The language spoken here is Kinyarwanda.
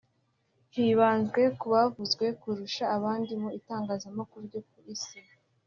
hibanzwe ku bavuzwe kurusha abandi mu itangazamakuru ryo ku isi